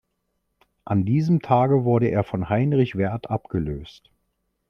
An diesem Tage wurde er von Heinrich Werth abgelöst.